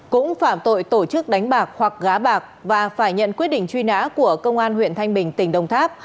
cũng phạm tội tổ chức đánh bạc hoặc gá bạc và phải nhận quyết định truy nã của công an huyện thanh bình tỉnh đồng tháp